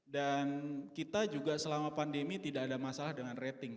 dan kita juga selama pandemi tidak ada masalah dengan rating